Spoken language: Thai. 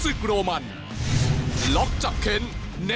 ส่วนคู่ต่อไปของกาวสีมือเจ้าระเข้ยวนะครับขอบคุณด้วย